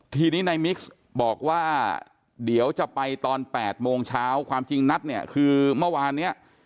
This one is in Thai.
ทีนี้นายมิกซ์บอกว่าเดี๋ยวจะไปตอน๘โมงเช้าความจริงนัดเนี่ยคือเมื่อวานเนี่ย